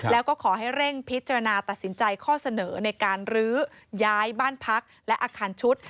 แล้วก็ขอให้เร่งพิจารณาตัดสินใจข้อเสนอในการรื้อย้ายบ้านพักและอาคารชุด